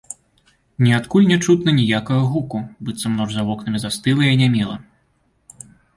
Ніадкуль не чутна ніякага гуку, быццам ноч за вокнамі застыла і анямела.